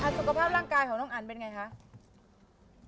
สุขภาพร่างกายของน้องอันเป็นไงคะ